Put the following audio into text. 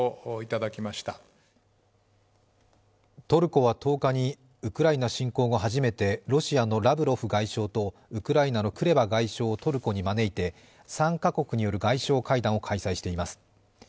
トルコは１０日にウクライナ侵攻後初めてロシアのラブロフ外相とウクライナのクレバ外相をトルコに招いて３カ国による外相会談を開催しています。